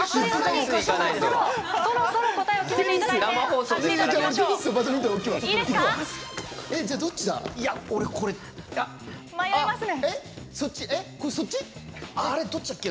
そろそろ答えを決めていただいて。